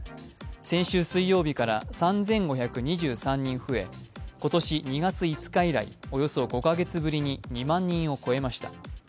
先週水曜日から３５２３人増え今年２月５日以来およそ５カ月ぶりに２万人を超えました。